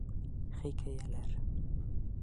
ХИКӘЙӘЛӘР